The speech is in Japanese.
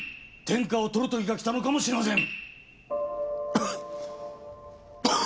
天下を取る時が来たのかもしれません。